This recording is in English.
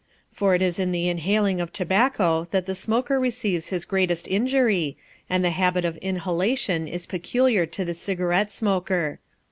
For it is in the inhaling of tobacco that the smoker receives his greatest injury, and the habit of inhalation is peculiar to the cigarette smoker.